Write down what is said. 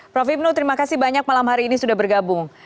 prof ibnu terima kasih banyak malam hari ini sudah bergabung